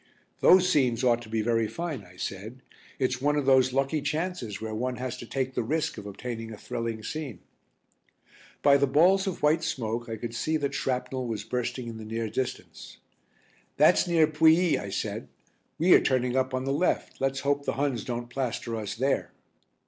"Those scenes ought to be very fine," I said. "It's one of those lucky chances where one has to take the risk of obtaining a thrilling scene." By the balls of white smoke I could see that shrapnel was bursting in the near distance. "That's near Pouilly," I said. "We are turning up on the left, let's hope the Huns don't plaster us there."